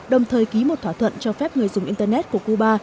đồng thời ký một thỏa thuận cho phép người dùng internet của cuba